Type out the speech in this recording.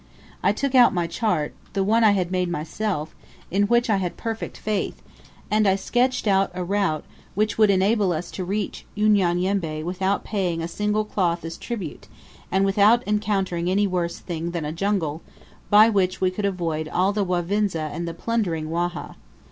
I took out my chart the one I had made myself in which I had perfect faith, and I sketched out a route which would enable us to reach Unyanyembe without paying a single cloth as tribute, and without encountering any worse thing than a jungle, by which we could avoid all the Wavinza and the plundering Wahha.